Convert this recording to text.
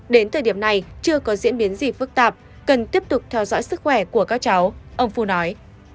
đến thời điểm này chưa có diễn biến gì phức tạp cần tiếp tục theo dõi sức khỏe của các cháu ông phu nói